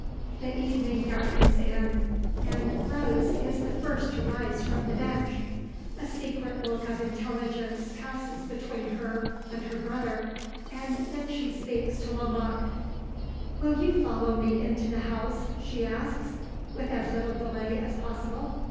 The evening darkens in, and Rose is the first to rise from the bench. A secret look of intelligence passes between her and her brother, and then she speaks to Lomaque. "Will you follow me into the house," she asks, "with as little delay as possible?